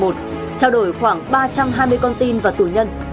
trao đổi khoảng ba trăm hai mươi con tin và tù nhân